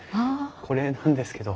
これなんですけど。